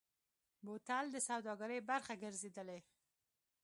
بوتل د سوداګرۍ برخه ګرځېدلی.